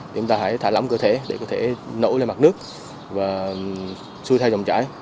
thì chúng ta hãy thả lỏng cơ thể để có thể nổ lên mặt nước và xui theo dòng trải